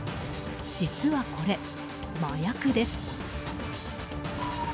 実はこれ、麻薬です。